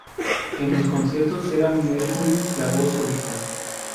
En los conciertos era Mercury la voz solista.